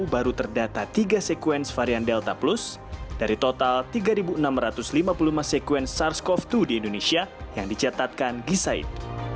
baru terdata tiga sekuens varian delta plus dari total tiga enam ratus lima puluh lima sekuen sars cov dua di indonesia yang dicatatkan gisaid